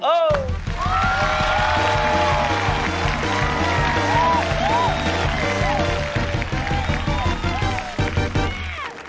โอ้ย